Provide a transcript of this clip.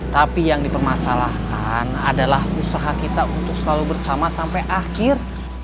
tapi yang dipermasalahkan adalah usaha kita untuk selalu bersama sampai akhir